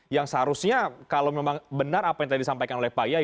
yang seharusnya kalau memang benar apa yang tadi disampaikan oleh pak yai